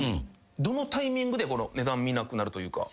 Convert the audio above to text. どのタイミングで値段見なくなるというか。